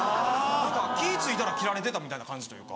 気ぃ付いたら切られてたみたいな感じというか。